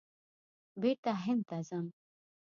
بېرته هند ته ځم !